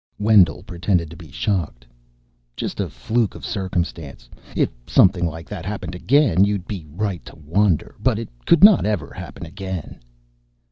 Wendell pretended to be shocked. "Just a fluke of circumstance. If something like that happened again you'd be right to wonder. But it could not ever happen again."